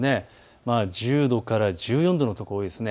１０度から１４度の所が多いです。